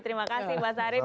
terima kasih mas arief